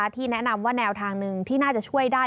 ที่แนะนำว่าแนวทางหนึ่งที่น่าจะช่วยได้